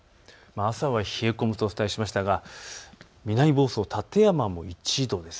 朝は冷え込むとお伝えしましたが南房総、館山も１度です。